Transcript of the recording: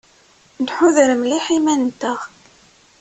Nḥuder mliḥ iman-nteɣ.